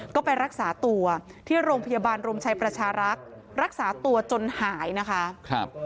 ก็ไปรักษาตัวที่โรงพยาบาลรมชัยประชารักษ์รักษาตัวจนหายนะคะ